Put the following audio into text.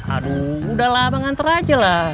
aduh udahlah abang antar aja lah